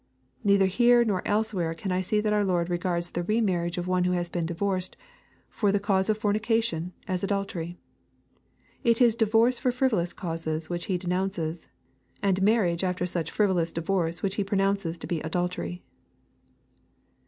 Neither here nor elsewhere can I see that our Lord regards the re marriage of one who has been divorced for the cause of forni cation, as adultery. It is divorce for frivolous causes which He de nounces, and marriage after such frivolous divorce which He pro nounces to be adultery.